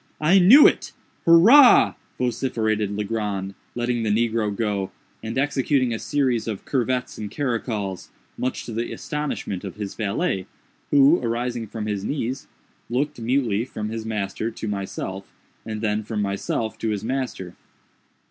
—I knew it! hurrah!" vociferated Legrand, letting the negro go, and executing a series of curvets and caracols, much to the astonishment of his valet, who, arising from his knees, looked, mutely, from his master to myself, and then from myself to his master.